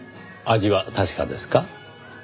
味は確かですか？